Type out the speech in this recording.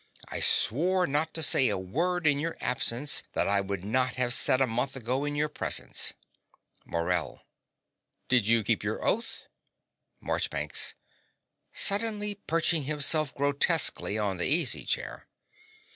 I swore not to say a word in your absence that I would not have said a month ago in your presence. MORELL. Did you keep your oath? MARCHBANKS. (suddenly perching himself grotesquely on the easy chair).